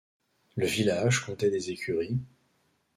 Le village comptait des écuries.